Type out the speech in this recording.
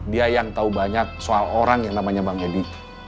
dia yang tahu banyak soal orang yang namanya bang edi